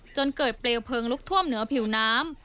จนเกิดเปลวเพลิงลุกท่วมเหนือผิวน้ำ